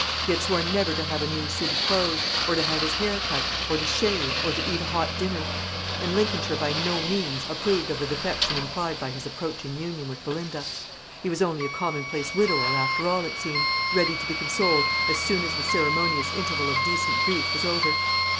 He had sworn never to have a new suit of clothes, or to have his hair cut, or to shave, or to eat a hot dinner. And Lincolnshire by no means approved of the defection implied by his approaching union with Belinda. He was only a commonplace widower, after all, it seemed; ready to be consoled as soon as the ceremonious interval of decent grief was over.